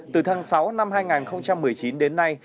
từ tháng sáu năm hai nghìn một mươi chín đến nay